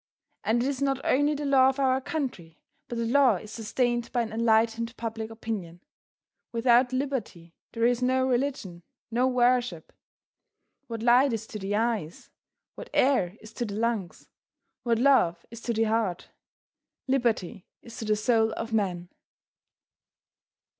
And it is not only the law of our country but the law is sustained by an enlightened public opinion. Without liberty there is no religion no worship. What light is to the eyes what air is to the lungs what love is to the heart, liberty is to the soul of man.